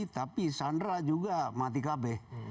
tapi sandra juga mati kb